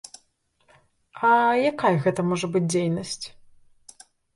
А якая гэта можа быць дзейнасць?